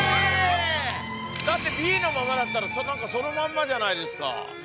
だってＢのままだったら何かそのままじゃないですか。